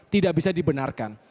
tidak bisa dibenarkan